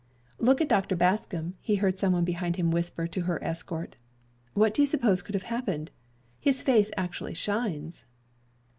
"Look at Dr. Bascom," he heard some one behind him whisper to her escort. "What do you suppose could have happened? His face actually shines."